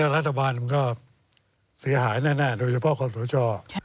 ๑เราก็เสียหายแน่ต่อความโสดง